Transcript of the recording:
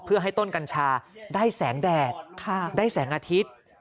เพื่อให้ต้นกัญชาได้แสงแดดได้แสงอาทิตย์